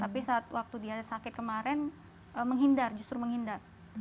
tapi saat waktu dia sakit kemarin menghindar justru menghindar